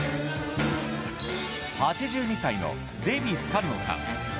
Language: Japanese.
８２歳のデヴィ・スカルノさん。